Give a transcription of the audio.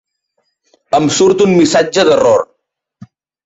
Em surt un missatge d'error.